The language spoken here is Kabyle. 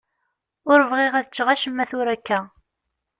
Ur bɣiɣ ad ččeɣ acemma tura akka.